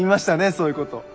そういうこと。